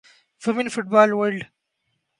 women football world